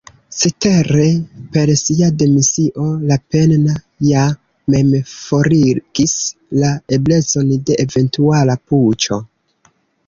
Cetere per sia demisio Lapenna ja mem forigis la eblecon de eventuala puĉo.